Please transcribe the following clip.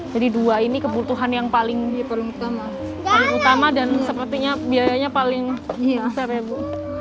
jadi dua ini kebutuhan yang paling utama dan sepertinya biayanya paling besar ya bu